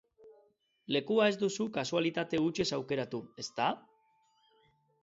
Lekua ez duzu kasualitate hutsez aukeratu, ezta?